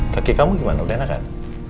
kaki kamu gimana udah enak kan